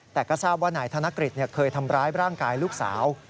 แต่ก็ทราบว่านายธนกฤษเคยทำร้ายร่างกายลูกสาว